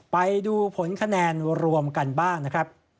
ไปดูผลคะแนนรวมกันบ้างนะครับ